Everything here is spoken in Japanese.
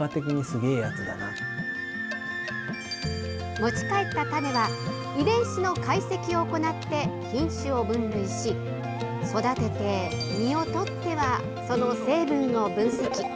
持ち帰った種は遺伝子の解析を行って品種を分類し育てて実を採ってはその成分を分析。